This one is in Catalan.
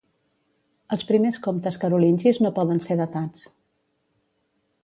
Els primers comtes carolingis no poden ser datats.